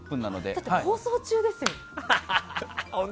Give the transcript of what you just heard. だって放送中ですよ？